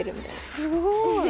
すごい。